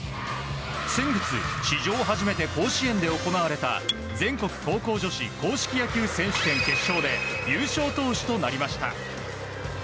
先月史上初めて甲子園で行われた全国高校女子硬式野球選手権決勝で優勝投手となりました。